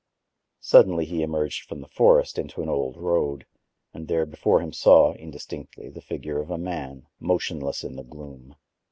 Suddenly he emerged from the forest into an old road, and there before him saw, indistinctly, the figure of a man, motionless in the gloom.